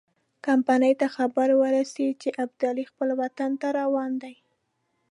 کمپنۍ ته خبر ورسېد چې ابدالي خپل وطن ته روان دی.